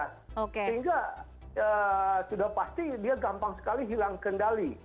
sehingga sudah pasti dia gampang sekali hilang kendali